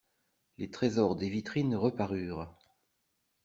Les trésors des vitrines reparurent.